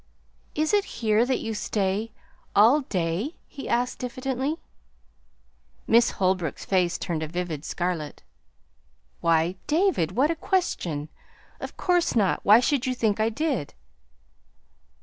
"Is it here that you stay all day?" he asked diffidently. Miss Holbrook's face turned a vivid scarlet. "Why, David, what a question! Of course not! Why should you think I did?"